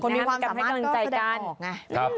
คนมีความสามารถก็ได้ออกไง